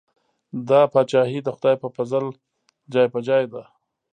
دا پاچاهي د خدای په پزل جای په جای ده.